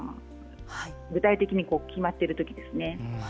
具体的に決まっているときです。